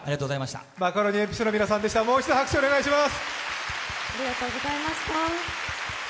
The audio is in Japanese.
マカロニえんぴつの皆さんでした、もう一度拍手をお願いします。